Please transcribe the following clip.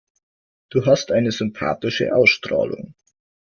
Du hast eine sympathische Ausstrahlung.